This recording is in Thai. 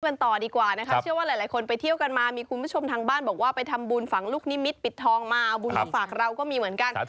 กันต่อดีกว่านะครับเชื่อว่าหลายคนไปเที่ยวกันมามีคุณผู้ชมทางบ้านบอกว่าไปทำบุญฝังลูกนิมิตปิดทองมาเอาบุญมาฝากเราก็มีเหมือนกัน